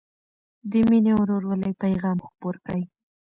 د مینې او ورورولۍ پيغام خپور کړئ.